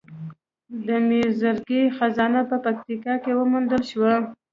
د میرزکې خزانه په پکتیا کې وموندل شوه